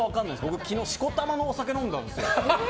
僕、昨日しこたま、お酒飲んだんですよ。